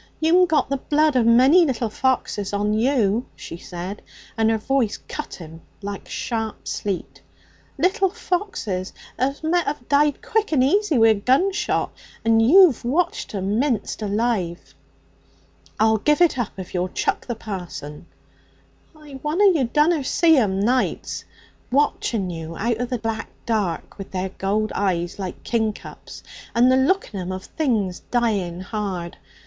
'You'm got the blood of a many little foxes on you,' she said, and her voice cut him like sharp sleet 'little foxes as met have died quick and easy wi' a gunshot. And you've watched 'em minced alive.' 'I'll give it up if you'll chuck the parson.' 'I won'er you dunna see 'em, nights, watching you out of the black dark with their gold eyes, like kingcups, and the look in 'em of things dying hard.